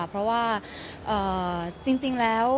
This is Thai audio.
เพราะว่าจริงแล้ว